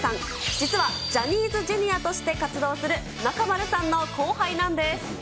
実はジャニーズＪｒ．として活動する、中丸さんの後輩なんです。